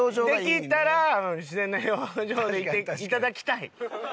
できたら自然な表情でいていただきたい。